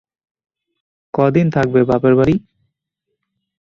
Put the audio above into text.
কদিন থাকবে বাপের বাড়ি?